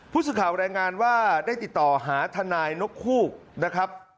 ผู้สื่อข่าวรายงานว่าได้ติดต่อหาทนายนกฮูกนะครับ